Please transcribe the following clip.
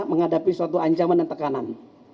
menghadapi suatu ancaman dan tekanan